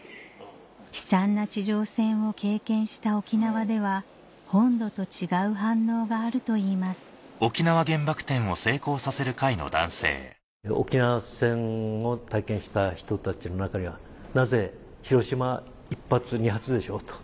悲惨な地上戦を経験した沖縄では本土と違う反応があるといいます沖縄戦を体験した人たちの中には「なぜ？広島は１発２発でしょ？」と。